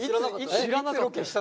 知らなかった。